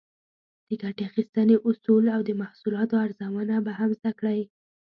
د ګټې اخیستنې اصول او د محصولاتو ارزونه به هم زده کړئ.